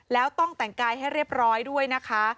แล้วต้องแต่งกายให้เรียบร้อยด้วยนะคะ